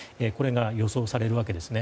これが予想されるわけですね。